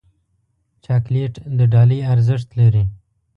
چاکلېټ د ډالۍ ارزښت لري.